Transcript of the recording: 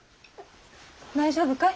大丈夫かい？